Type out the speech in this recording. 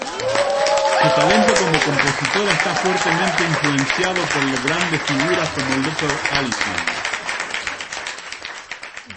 Su talento como compositora está fuertemente influenciado por grandes figuras como Luther Allison.